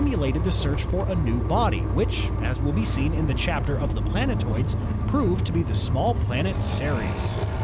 lated the search for a new body, which, as will be seen in the chapter on the planetoids, proved to be the small planet Ceres.